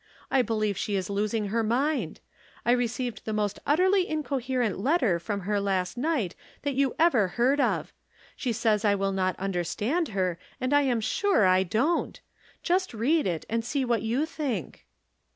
I believe she is losing her mind. I received the most utterly in coherent letter from her last night that you ever heard of. She says I wUl not understand her, and I'm sure I don't. Just read it, and see what you think."